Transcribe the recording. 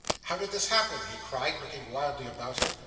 'How did this happen?' he cried, looking wildly about him.